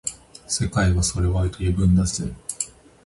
世界はそれを愛と呼ぶんだぜ